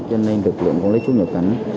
cho nên lực lượng quản lý xuất nhập cảnh